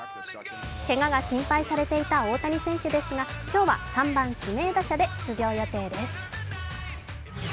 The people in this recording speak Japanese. けがが心配されていた大谷選手ですが今日は３番・指名打者で出場予定です。